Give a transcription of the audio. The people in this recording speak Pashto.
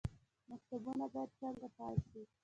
مکتبونه باید څنګه فعال شي؟